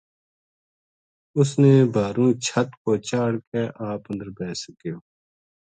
اس نے بھارُو چھت پو چاہڑھ کے آپ اندر بیس گیو